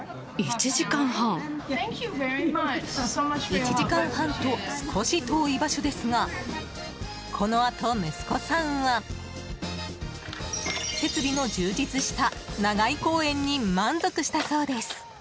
１時間半と少し遠い場所ですがこのあと、息子さんは設備の充実した長居公園に満足したそうです。